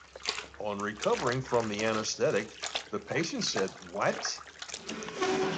On recovering from the anaesthetic, the patient said What?